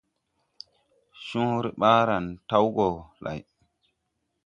Coore ɓaaran tawge gɔ lay.